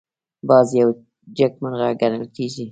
باز یو جګمرغه ګڼل کېږي